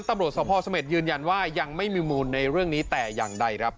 ตำรวจสภเสม็ดยืนยันว่ายังไม่มีมูลในเรื่องนี้แต่อย่างใดครับ